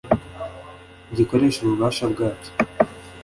gikoresha ububasha bwacyo